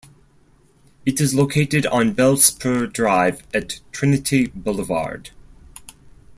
It is located on Bell Spur Drive at Trinity Boulevard.